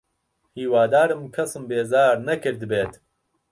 هیوادارم کەسم بێزار نەکردبێت.